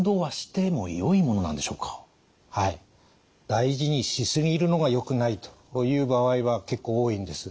大事にし過ぎるのがよくないという場合は結構多いんです。